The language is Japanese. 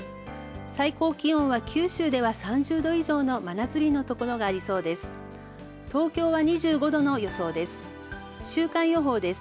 最高気温は九州では３０度以上の真夏日のところがありそうです。